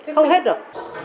không hết được